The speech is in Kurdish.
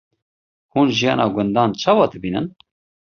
Hûn jiyana gundan çawa dibînin?